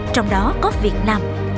trong đó có việt nam